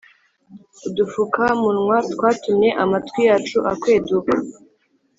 udufuka munwa twatumye amatwi yacu akweduka